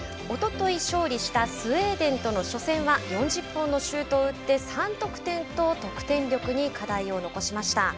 おととい勝利したスウェーデンとの初戦は４０本のシュートを打って３得点と得点力に課題を残しました。